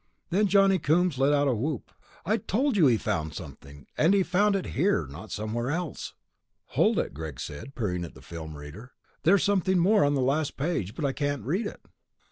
Then Johnny Coombs let out a whoop. "I told you he found something! And he found it here, not somewhere else." "Hold it," Greg said, peering at the film reader. "There's something more on the last page, but I can't read it."